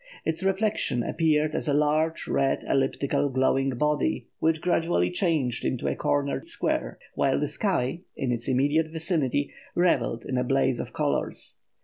Its reflection appeared as a large red elliptical glowing body which gradually changed into a cornered square, while the sky, in its immediate vicinity, revelled in a blaze of colours.